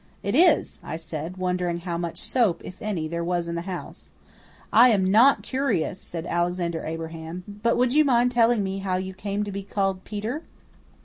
"It is," I said, wondering how much soap, if any, there was in the house. "I am NOT curious," said Alexander Abraham, "but would you mind telling me how you came to be called Peter?"